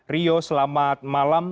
rio selamat malam